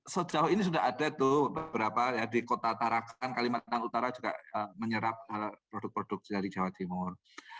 sejauh ini sudah ada tuh beberapa di kota tarakan kalimantan utara juga menyerap produk produk dari jawa timur